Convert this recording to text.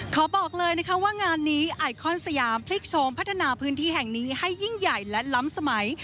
ขอบอกเลยนะคะว่างานนี้ไอคอนสยามพลิกโชมพัฒนาพื้นที่แห่งนี้ให้ยิ่งใหญ่และล้ำสมัย